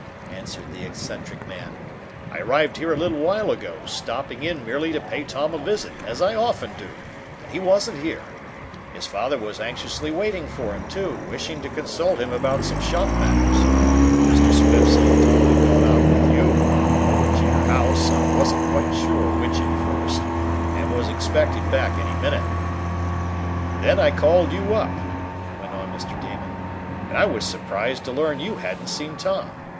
answered the eccentric man. "I arrived here a little while ago, stopping in merely to pay Tom a visit, as I often do, and he wasn't here. His father was anxiously waiting for him, too, wishing to consult him about some shop matters. Mr. Swift said Tom had gone out with you, or over to your house I wasn't quite sure which at first and was expected back any minute. "Then I called you up," went on Mr. Damon, "and I was surprised to learn you hadn't seen Tom.